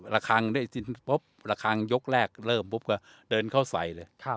ระครังเริ่มเดินเข้าใส